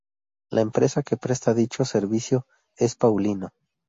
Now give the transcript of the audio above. La empresa que presta dicho servicio es Paulino.